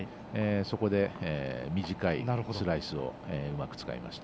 そこで短いスライスをうまく使いました。